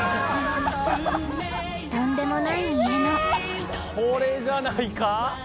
とんでもない家のこれじゃないか？